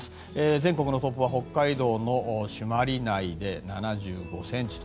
全国のトップは北海道の朱鞠内で７５ｃｍと。